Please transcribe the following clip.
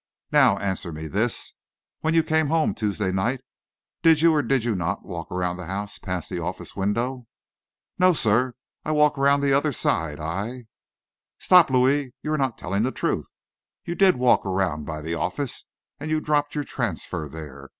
Now answer me this: When you came home Tuesday night, did you or did you not walk around the house past the office window?" "No, sir. I walked around the other side. I " "Stop, Louis! You're not telling the truth. You did walk around by the office, and you dropped your transfer there.